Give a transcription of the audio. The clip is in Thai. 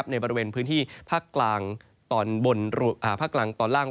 ในบริเวณพื้นที่ภาคกลางตอนล่าง